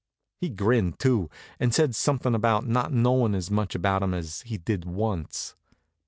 He grinned, too, and said something about not knowing as much about 'em as he did once.